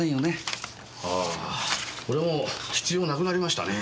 ああこれもう必要なくなりましたね。